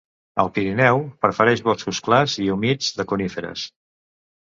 Al Pirineu, prefereix boscos clars i humits de coníferes.